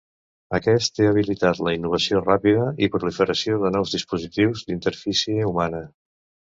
Aquest té habilitat la innovació ràpida i proliferació de nous dispositius d'interfície humana.